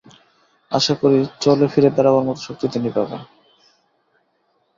আশা করি চলে-ফিরে বেড়াবার মত শক্তি তিনি পাবেন।